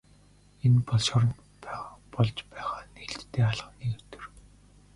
Энэ бол шоронд болж байгаа нээлттэй хаалганы өдөр.